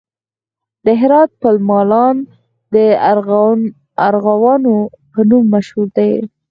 د هرات پل مالان د ارغوانو په نوم مشهور دی